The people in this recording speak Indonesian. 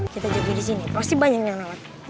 kita jaga di sini pasti banyak yang mau